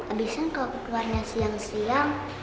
habisnya kalau keluarnya siang siang